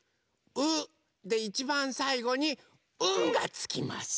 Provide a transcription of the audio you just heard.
「う」でいちばんさいごに「ん」がつきます。